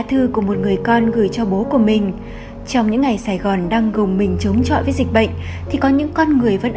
hãy đợi con nhé